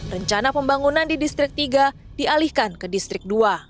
rencana pembangunan di distrik tiga dialihkan ke distrik dua